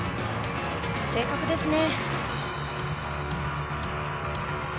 正確ですね。